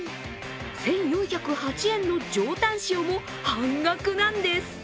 １４０８円の上タン塩も半額なんです。